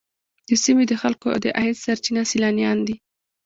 د سیمې د خلکو د عاید سرچینه سیلانیان دي.